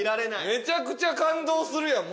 めちゃくちゃ感動するやん